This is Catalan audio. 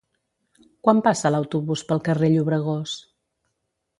Quan passa l'autobús pel carrer Llobregós?